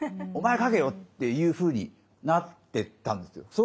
お前書けよっていうふうになってったんですよ。